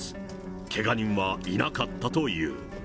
けが人はいなかったという。